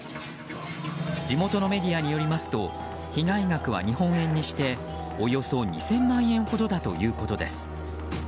地元のメディアによりますと被害額は日本円にしておよそ２０００万円ほどだということです。